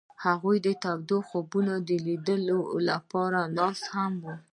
هغوی د تاوده خوبونو د لیدلو لپاره ناست هم وو.